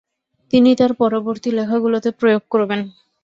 তিনি তাঁর পরবর্তী লেখাগুলোতে প্রয়োগ করবেন।